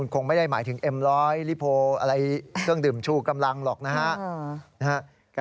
คงไม่ได้หมายถึงเอ็มร้อยลิโพอะไรเครื่องดื่มชูกำลังหรอกนะฮะ